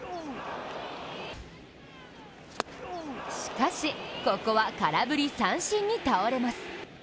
しかし、ここは空振り三振に倒れます。